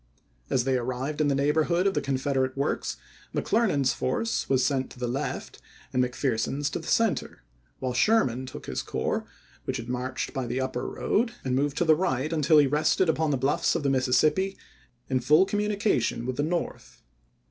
As they arrived in the neighborhood of the Confederate works McClernand's force was sent to the left and McPherson's to the center; while Sherman took his corps, which had marched by the upper road, and moved to the right until he rested upon the bluffs of the Mississippi, in full communication with the North.